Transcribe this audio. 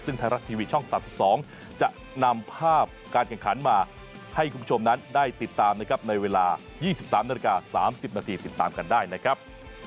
ซึ่งไทยรัฐทีวีช่อง๓๒จะนำภาพการแข่งขันมาให้คุณผู้ชมนั้นได้ติดตามนะครับในเวลา๒๓นาฬิกา๓๐นาทีติดตามกันได้นะครับ